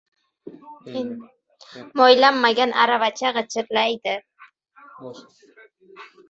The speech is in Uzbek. • Moylanmagan arava g‘ichirlaydi.